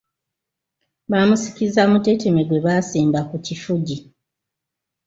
Bamusikiza muteteme gwe basimba ku kifugi.